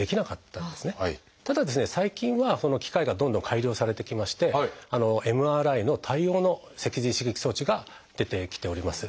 ただ最近は機械がどんどん改良されてきましてＭＲＩ対応の脊髄刺激装置が出てきております。